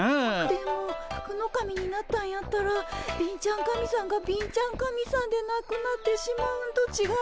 でも福の神になったんやったら貧ちゃん神さんが貧ちゃん神さんでなくなってしまうんとちがいますか？